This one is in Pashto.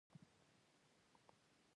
د کاکتوس شیره د څه لپاره وکاروم؟